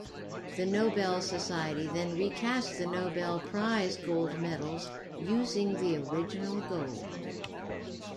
The Nobel Society then re-cast the Nobel Prize gold medals, using the original gold.